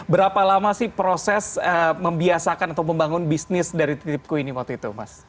berapa lama sih proses membiasakan atau membangun bisnis dari titipku ini waktu itu mas